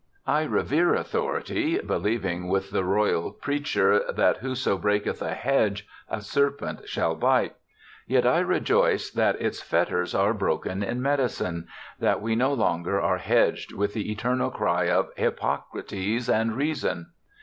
I revere author ity, believing with the royal preacher, that "whoso breaketh a hedge, a serpent shall bite "; yet I rejoice that its fetters are broken in medicine — that we no longer are hedged with the eternal cry of " Hippocrates i6 BIOGRAPHICAL ESSAYS and reason